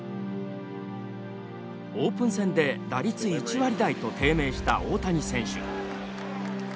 オープン戦で打率１割台と低迷した大谷選手。